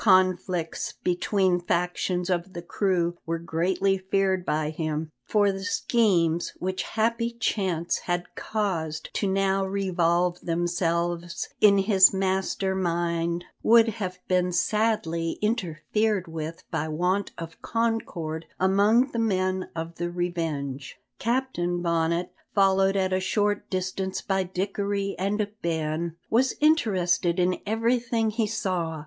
Conflicts between factions of the crew were greatly feared by him, for the schemes which happy chance had caused to now revolve themselves in his master mind would have been sadly interfered with by want of concord among the men of the Revenge. Captain Bonnet, followed at a short distance by Dickory and Ben, was interested in everything he saw.